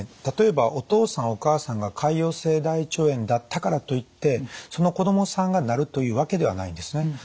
例えばお父さんお母さんが潰瘍性大腸炎だったからといってその子供さんがなるというわけではないんですね。